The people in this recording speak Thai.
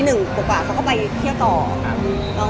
เขาก็มาเล่ากันเองแล้วอ้ำมารู้ที่หลัง